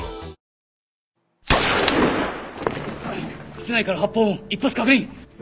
室内から発砲音一発確認！